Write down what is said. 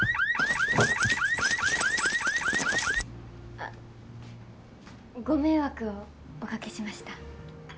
あご迷惑をおかけしました。